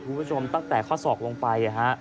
คุณผู้ชมตั้งแต่ข้อศอกลงไป